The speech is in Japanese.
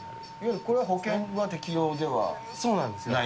これは保険は適用ではないとそうなんです。